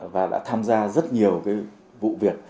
và đã tham gia rất nhiều vụ việc